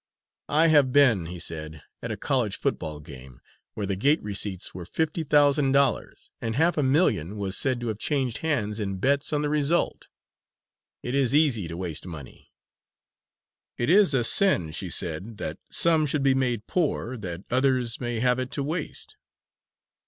"I have been," he said, "at a college football game, where the gate receipts were fifty thousand dollars, and half a million was said to have changed hands in bets on the result. It is easy to waste money." "It is a sin," she said, "that some should be made poor, that others may have it to waste."